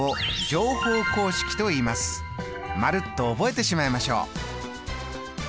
丸っと覚えてしまいましょう。